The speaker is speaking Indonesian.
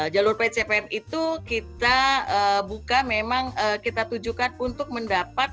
jalur pcpm itu kita buka memang kita tujukan untuk mendapat